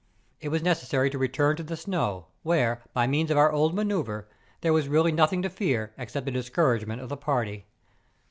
It was necessary to return to the snow, where, by means of our old manoeuvre, there was really nothing to fear except the discouragement of the party.